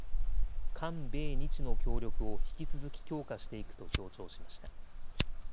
韓米日の協力を引き続き強化していくと強調しました。